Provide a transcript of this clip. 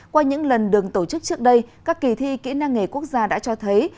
qua những lần đường tổ chức trước đây các kỳ thi kỹ năng nghề quốc gia đã cho thấy